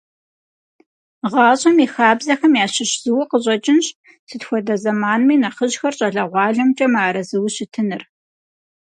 ГъащӀэм и хабзэхэм ящыщ зыуэ къыщӀэкӀынщ, сыт хуэдэ зэманми нэхъыжьхэр щӀалэгъуалэмкӀэ мыарэзыуэ щытыныр.